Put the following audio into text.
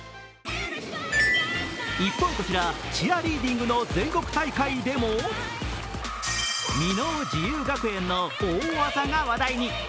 一方、こちらチアリーディングの全国大会でも箕面自由学園の大技が話題に。